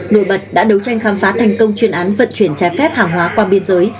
nổi bật đã đấu tranh khám phá thành công chuyên án vận chuyển trái phép hàng hóa qua biên giới